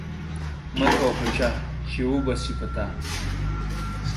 مه کوه په چا وبه سي په تا.